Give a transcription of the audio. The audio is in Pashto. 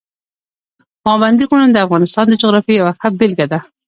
پابندي غرونه د افغانستان د جغرافیې یوه ښه بېلګه ده.